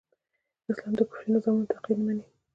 اسلام د کفري نظامونو تقليد نه مني.